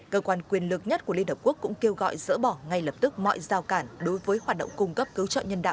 cơ quan quyền lực nhất của liên hợp quốc cũng kêu gọi dỡ bỏ ngay lập tức mọi giao cản đối với hoạt động cung cấp cứu trợ nhân đạo